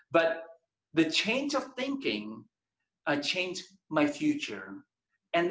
tetapi perubahan pikiran saya mengubah masa depan saya